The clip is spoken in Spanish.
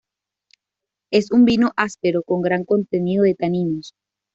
Es un vino áspero con gran contenido de taninos.